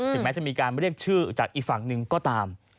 แม้จะมีการเรียกชื่อจากอีกฝั่งหนึ่งก็ตาม